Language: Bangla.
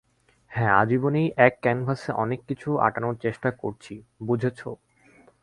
হ্যাঁ, আজীবন-ই এক ক্যানভাসে অনেক কিছু আটানোর চেষ্টা করেছি, বুঝেছো?